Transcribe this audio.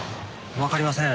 わかりません。